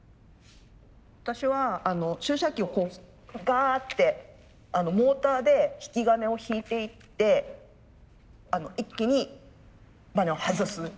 私は注射器をこうガーってモーターで引き金を引いていって一気にバネを外す。